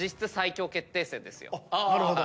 なるほど。